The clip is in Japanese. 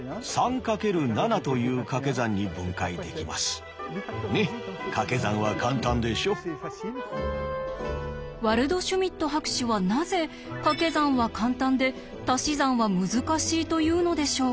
それを教えてくれるのはこちらワルドシュミット博士はなぜかけ算は簡単でたし算は難しいと言うのでしょう？